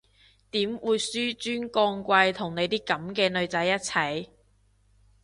點會紓尊降貴同你啲噉嘅女仔一齊？